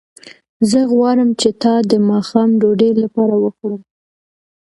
زه غواړم چې تا د ماښام ډوډۍ لپاره وخورم